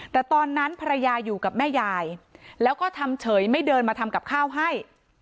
แต่ตอนนั้นภรรยาอยู่กับแม่ยายแล้วก็ทำเฉยไม่เดินมาทำกับข้าวให้